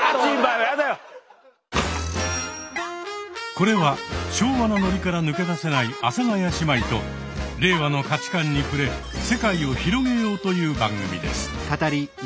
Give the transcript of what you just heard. これは昭和なノリから抜け出せない阿佐ヶ谷姉妹と令和の価値観に触れ世界を広げようという番組です。